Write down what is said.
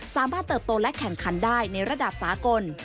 เติบโตและแข่งขันได้ในระดับสากล